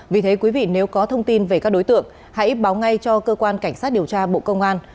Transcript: vì thế quý vị nếu có thông tin về các đối tượng hãy báo ngay cho cơ quan cảnh sát điều tra bộ công an